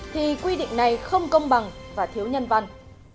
thì quy định này không công bằng và thiếu nhân văn